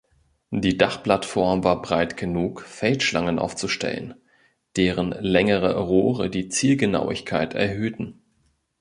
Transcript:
Die Dachplattform war breit genug, Feldschlangen aufzustellen, deren längere Rohre die Zielgenauigkeit erhöhten.